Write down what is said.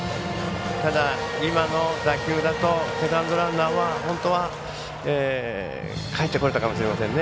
ただ、今の打球だとセカンドランナーは本当はかえってこれたかもしれませんね。